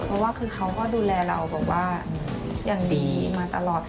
เพราะว่าคือเขาก็ดูแลเราแบบว่าอย่างดีมาตลอด